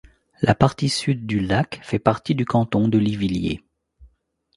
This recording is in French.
La partie Sud du lac fait partie du canton de Livilier.